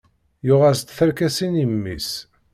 Yuɣ-as-d tarkasin i mmi-s.